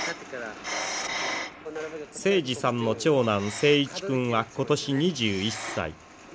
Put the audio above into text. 斉司さんの長男斉一君は今年２１歳。